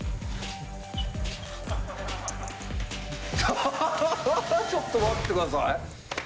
ハハハちょっと待ってください。